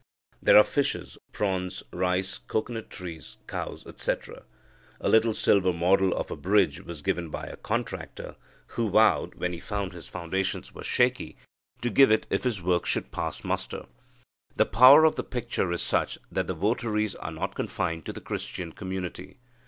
There are fishes, prawns, rice, cocoanut trees, cows, etc. A little silver model of a bridge was given by a contractor, who vowed, when he found his foundations were shaky, to give it if his work should pass muster. The power of the picture is such that the votaries are not confined to the Christian community.